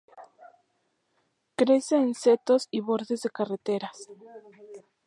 Crece en setos y bordes de carreteras.